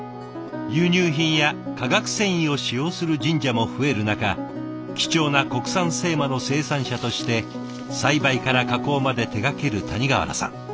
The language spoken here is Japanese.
輸入品や化学繊維を使用する神社も増える中貴重な国産精麻の生産者として栽培から加工まで手がける谷川原さん。